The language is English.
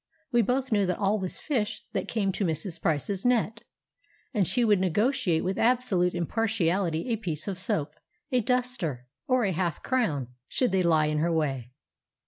We both knew that all was fish that came to Mrs. Price's net, and she would negotiate with absolute impartiality a piece of soap, a duster, or a half crown, should they lie in her way.